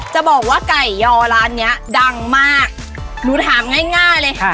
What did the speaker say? จะบอกว่าไก่ยอร้านเนี้ยดังมากหนูถามง่ายง่ายเลยค่ะ